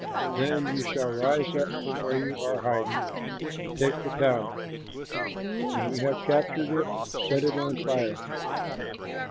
Then you shall rise up from where you are hiding, and take the town. When you have captured it, set it on fire."